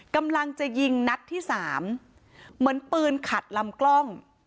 กำลังจะยิงนัดที่สามเหมือนปืนขัดลำกล้อง